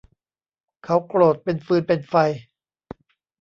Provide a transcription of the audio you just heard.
เขาโกรธเป็นฟืนเป็นไฟ